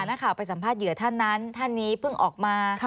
นักข่าวไปสัมภาษณ์เหยื่อท่านนั้นท่านนี้เพิ่งออกมา